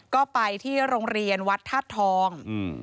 ก็ไปที่โรงเรียนวัดธาตุทอง